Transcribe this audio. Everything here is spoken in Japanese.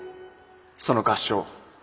その合唱。